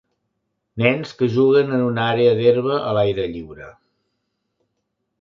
Nens que juguen en un àrea d'herba a l'aire lliure